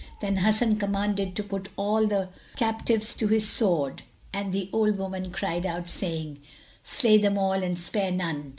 Then Hasan commanded to put all the captives to the sword and the old woman cried out, saying, "Slay them all and spare none[FN#178]!"